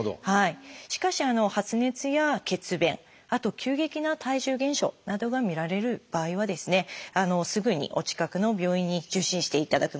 しかし発熱や血便あと急激な体重減少などが見られる場合はすぐにお近くの病院に受診していただく。